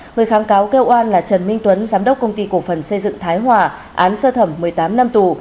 người kháng cáo kêu oan là trần minh tuấn giám đốc công ty cổ phần xây dựng thái hòa án sơ thẩm một mươi tám năm tù